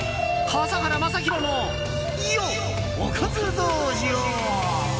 笠原将弘のおかず道場。